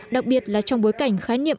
đặc biệt là trong bối cảnh khái niệm